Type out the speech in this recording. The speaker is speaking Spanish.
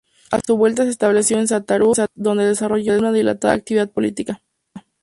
A su vuelta se estableció en Santurce, donde desarrolló una dilatada actividad política.